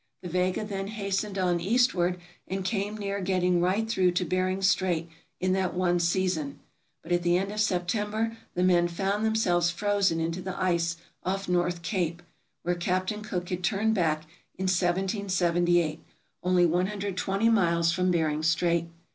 The "Vega" then hastened on eastward, and came near getting right through to Bering Strait in that one season; but at the end of September the men found themselves frozen into the ice off North Cape (where Captain Cook had turned back in 1778), only 120 miles from Bering Strait.